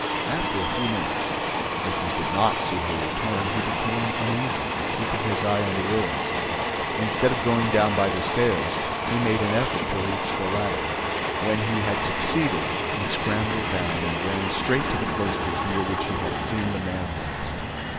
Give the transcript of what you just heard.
After a few minutes, as he did not see her return, he became uneasy and, keeping his eye on the ruins, instead of going down by the stairs he made an effort to reach the ladder. When he had succeeded, he scrambled down and ran straight to the cloisters near which he had seen the man last.